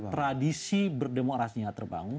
tradisi berdemokrasi tidak terbangun